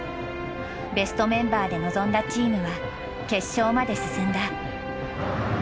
ベストメンバーで臨んだチームは決勝まで進んだ。